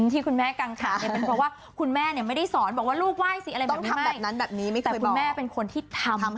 ที่คุณแม่กังขาดเป็นเพราะว่า